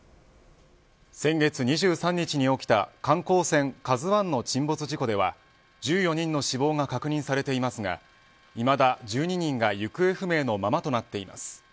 先月２３日に起きた観光船ＫＡＺＵ１の沈没事故では１４人の死亡が確認されていますがいまだ１２人が行方不明のままとなっています。